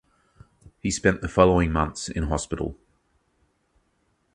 He spent the following months in hospital.